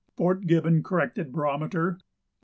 Fort Gibbon, corrected barometer 29.